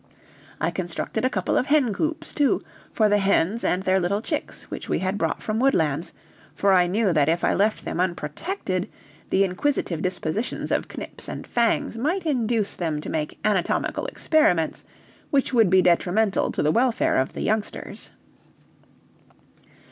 I constructed a couple of hencoops too, for the hens and their little chicks which we had brought from Woodlands, for I knew that if I left them unprotected, the inquisitive dispositions of Knips and Fangs might induce them to make anatomical experiments which would be detrimental to the welfare of the youngsters.